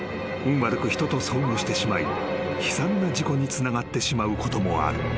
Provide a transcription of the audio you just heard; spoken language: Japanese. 悪く人と遭遇してしまい悲惨な事故につながってしまうこともある］